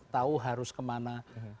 tahu harus kemana